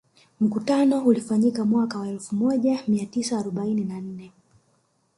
Mkutano ulifanyika mwaka wa elfu moja mia tisa arobaini na nne